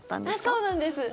そうなんです。